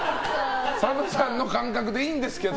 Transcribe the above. ＳＡＭさんの感覚でいいんですけど。